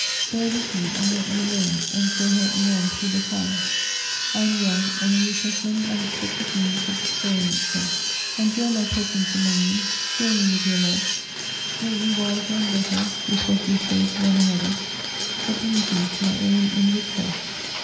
Bear with me and let me alone, and so help me on through the time; I am young, and youth has many unexpected means of restoring itself. Endure my [ires ence among you ; cheer me with your love ; make me wiser and better with what you say to one another : but leave me to my own inward self."